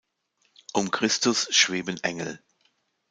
Um Christus schweben Engel.